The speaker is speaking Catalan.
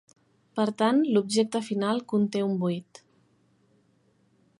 Per tant, l'objecte final conté un buit.